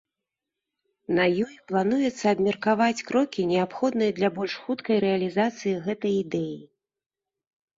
На ёй плануецца абмеркаваць крокі, неабходныя для больш хуткай рэалізацыі гэтай ідэі.